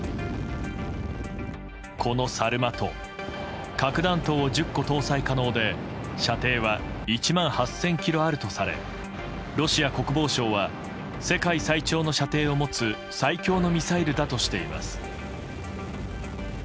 このサルマト核弾頭を１０個搭載可能で射程は１万８０００ｋｍあるとされロシア国防省は世界最長の射程を持つ最強のミサイルだとしています。